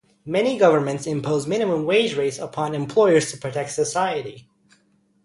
Many governments impose minimum wage rates upon employers to protect society.